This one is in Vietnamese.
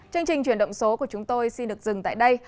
chương trình chuyển động số của chúng tôi xin được dừng tại đây